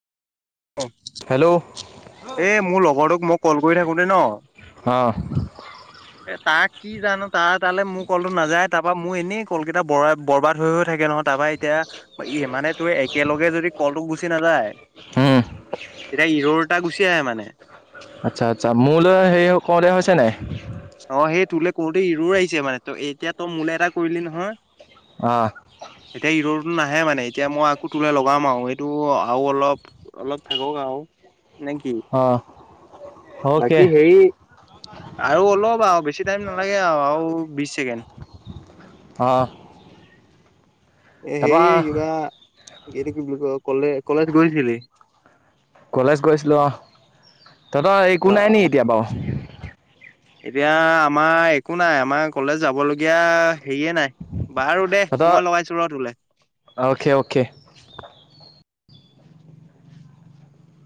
hello এই মোৰ লগৰটোক মোক কল কৰি থাকো দেই ন অঁ উ তাক কি জানো তাৰ তালৈ মোৰ কলটো নাযায় তাৰ পৰাা মোৰ এনেই কল কেইটা ব বৰবাদ হৈ থাকে নহ তাৰাপা এতিয়া মানে তোৰ একেলগে যদি কলটোক গুচি নাযায় উম তেতিয়া ইৰৰটা গুচি আহে মানে আচ্ছা আচ্ছা মূল হে কওঁতে হৈছে নে অ সেই তো কোতে ইৰ আহিছে মানে ত এতিয়া তই মোলে এটা কৰিলি নহয় অঁ এটাই ৰড টো নাহে মানে এতিয়া মই আকৌ তোলৈ লগাম আৰু সেইটো আৰু অলপ অলপ থাকক আৰু নেকি অঁ অ'কে বাকী হেৰি ল'বা আৰু বেছি টাইম নালাগে আৰু আৰু বিশ ছেকেণ্ড হ এ হে কিবা এইটো কি বুলি ক কলে কলেজ গৈছিলি কলেজ গৈছিলো অ তহঁতৰ অ একো নাই অ নি এতিয়া বাৰু এতিয়া আমাৰ একো নাই আমাৰ কলেজ যাবলগীয়া হেয়ে নাই বাৰু দে মই লগাইছো ৰ তোলে পক্ষে